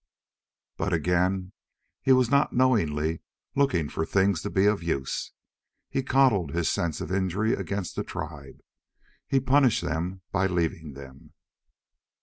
But again he was not knowingly looking for things to be of use. He coddled his sense of injury against the tribe. He punished them by leaving them.